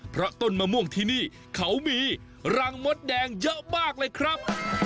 เพราะต้นมะม่วงที่นี่เขามีรังมดแดงเยอะมากเลยครับ